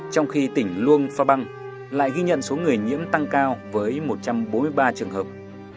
trong khi tỉnh luông pha băng lại ghi nhận số người nhiễm tăng cao với một trăm bốn mươi ba trường hợp